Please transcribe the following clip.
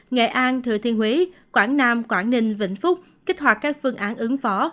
nghệ an thừa thiên huế quảng nam quảng ninh vĩnh phúc kích hoạt các phương án ứng phó